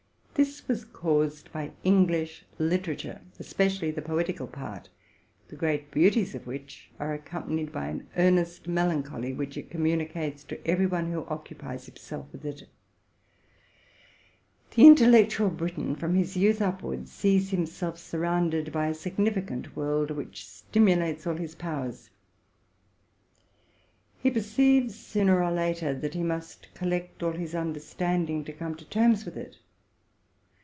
This was caused by English literature, especially the poetical part, the great beauties of which are accompanied by an earnest melancholy, RELATING TO MY LIFE. 161 which it communicates to every one who occupies himself with it. The intellectual Briton, from his youth upwards, sees himself surrounded by a significant world, which stim ulates all his powers: he perceives, sooner or later, that he must collect all his understanding to come to terms with it.